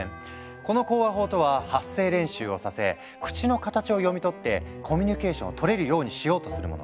この口話法とは発声練習をさせ口の形を読み取ってコミュニケーションを取れるようにしようとするもの。